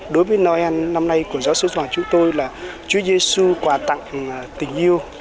đối với noel năm nay của giáo sứ xuân hòa chúng tôi là chúa giê xu quà tặng tình yêu